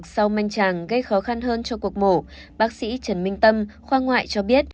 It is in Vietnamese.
sau manh chàng gây khó khăn hơn cho cuộc mổ bác sĩ trần minh tâm khoa ngoại cho biết